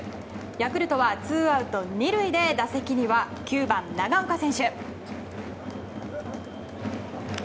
ヤクルトはツーアウト２塁で打席には９番、長岡選手。